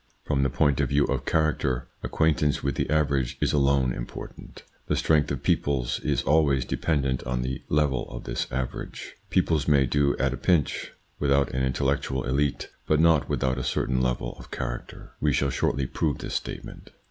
From the point of view of character, acquaintance with the average is alone important. The strength of peoples is always dependent on the level of this average. Peoples may do at a pinch without an intellectual Mite, but not without a certain level of character. We shall shortly prove this statement.